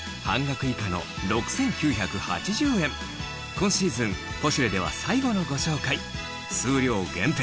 今シーズン『ポシュレ』では最後のご紹介数量限定